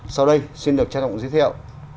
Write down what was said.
sau đây xin được cha tổng giới thiệu